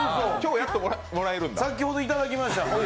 先ほどいただきました。